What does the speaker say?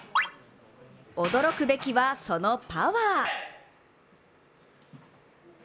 驚くべきはそのパワー。